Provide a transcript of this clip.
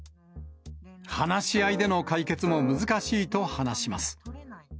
話し合いでの解決も難しいと話します。